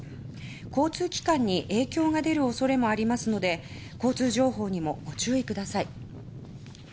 交通機関に影響が出る恐れもありますので交通情報にもご注意ください。